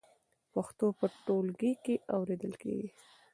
پښتو په ټولګي کې اورېدل کېږي.